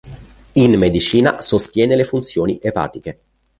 In medicina, sostiene le funzioni epatiche.